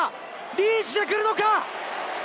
リーチで来るのか？